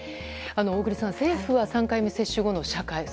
小栗さん、政府は３回目接種後の社会